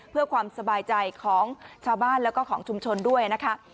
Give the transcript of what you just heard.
เพื่อความสบายใจของชาวบ้านแล้วก็ของชุมชนด้วยนะคะ